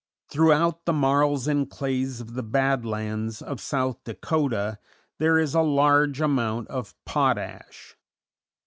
Throughout the marls and clays of the Bad Lands (of South Dakota) there is a large amount of potash.